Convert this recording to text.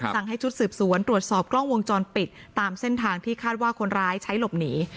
ให้ชุดสืบสวนตรวจสอบกล้องวงจรปิดตามเส้นทางที่คาดว่าคนร้ายใช้หลบหนี